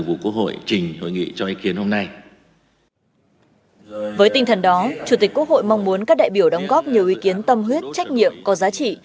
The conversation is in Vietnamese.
với tinh thần đó chủ tịch quốc hội mong muốn các đại biểu đóng góp nhiều ý kiến tâm huyết trách nhiệm có giá trị